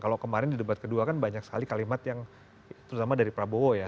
kalau kemarin di debat kedua kan banyak sekali kalimat yang terutama dari prabowo ya